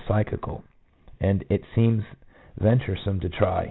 53 psychical, and it seems venturesome to try.